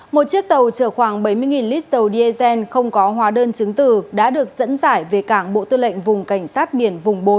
một chiếc tàu chở khoảng bảy mươi lít dầu diesel không có hóa đơn chứng từ đã được dẫn giải về cảng bộ tư lệnh vùng cảnh sát biển vùng bốn